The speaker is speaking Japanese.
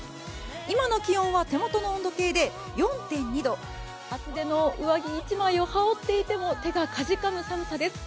今の気温は手元の温度計で４．２度厚手の上着１枚を羽織っていても手がかじかむ寒さです。